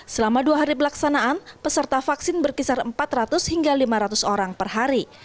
selama dua hari pelaksanaan peserta vaksin berkisar empat ratus hingga lima ratus orang per hari